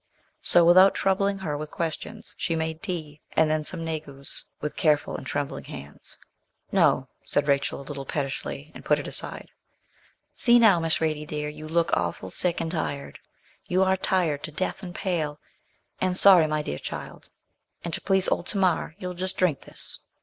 So, without troubling her with questions, she made tea, and then some negus, with careful and trembling hands. 'No,' said Rachel, a little pettishly, and put it aside. 'See now, Miss Radie, dear. You look awful sick and tired. You are tired to death and pale, and sorry, my dear child; and to please old Tamar, you'll just drink this.'